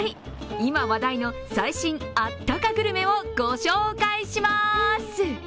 今話題の最新あったかグルメをご紹介します。